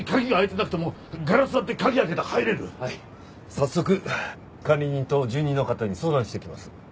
早速管理人と住人の方に相談してきます。